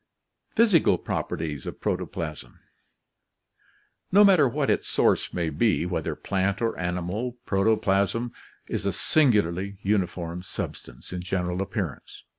Physical Properties of Protoplasm. — No matter what its source may be, whether plant or animal, protoplasm is a singularly uniform substance in general appearance.